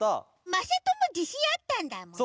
まさともじしんあったんだもんね。